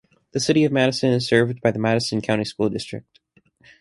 The City of Madison is served by the Madison County School District.